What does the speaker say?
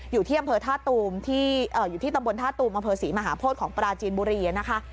อยู่ที่ตำบลท่าตูมอำเภอศรีมหาพศของปราจีนบุรียะนะคะ